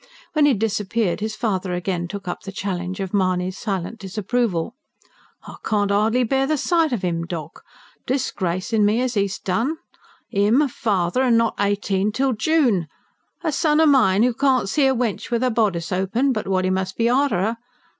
When he had disappeared, his father again took up the challenge of Mahony's silent disapproval. "I can't 'ardly bear the sight of 'im, doc. disgracin' me as 'e 'as done. 'Im a father, and not eighteen till June! A son o' mine, who can't see a wench with 'er bodice open, but wot 'e must be arter 'er....